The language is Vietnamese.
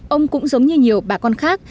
ông cũng giống như nhiều bà con khác